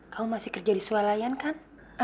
kamu masih kerja di sualayan kan